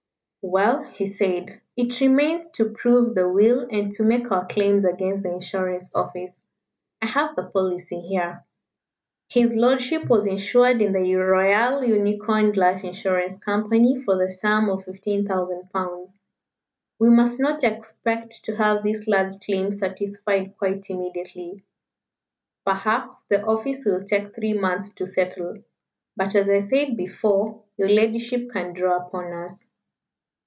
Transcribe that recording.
"Well," he said, "it remains to prove the will and to make our claims against the Insurance Office. I have the policy here. His lordship was insured in the Royal Unicorn Life Insurance Company for the sum of 15,000 pounds. We must not expect to have this large claim satisfied quite immediately. Perhaps the office will take three months to settle. But, as I said before, your ladyship can draw upon us."